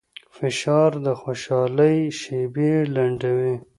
فشار د خوشحالۍ شېبې لنډوي.